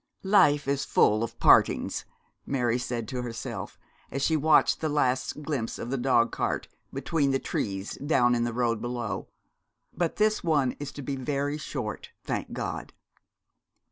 'Life is full of partings,' Mary said to herself, as she watched the last glimpse of the dogcart between the trees down in the road below, 'but this one is to be very short, thank God.'